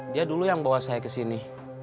dia dulu yang bawa saya kesini